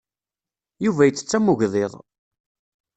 Yuba yettett am ugḍiḍ.